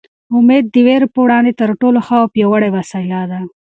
امېد د وېرې په وړاندې تر ټولو ښه او پیاوړې وسله ده.